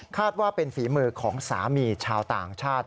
ว่าเป็นฝีมือของสามีชาวต่างชาติ